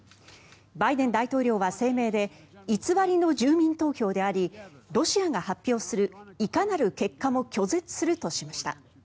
バイデン大統領は声明で偽りの住民投票でありロシアが発表するいかなる結果も拒絶するとしました。